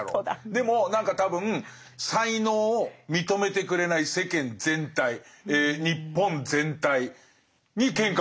でも何か多分才能を認めてくれない世間全体日本全体にケンカ売ってるんだよ。